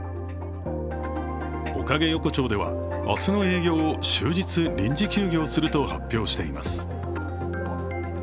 おかげ横丁では明日の営業を終日、臨時休業すると発表しています。